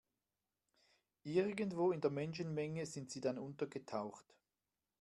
Irgendwo in der Menschenmenge sind sie dann untergetaucht.